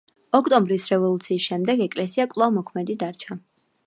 ოქტომბრის რევოლუციის შემდეგ ეკლესია კვლავ მოქმედი დარჩა.